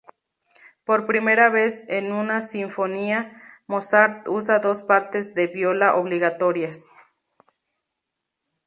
Por primera vez en una sinfonía, Mozart usa dos partes de viola obligatorias.